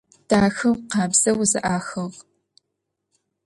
Дахэу, къабзэу зэӏэхыгъ.